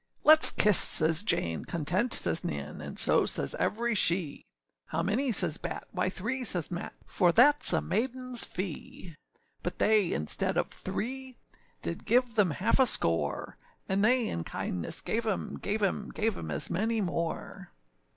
âLetâs kiss,â says Jane, {165b} âContent,â says Nan, And so says every she; âHow many?â says Batt; âWhy three,â says Matt, âFor thatâs a maidenâs fee.â But they, instead of three, Did give them half a score, And they in kindness gave âem, gave âem, Gave âem as many more.